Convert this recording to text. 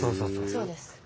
そうです。